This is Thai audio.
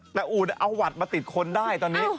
แต่อูดเอาหวัดมาติดคนได้ตอนนี้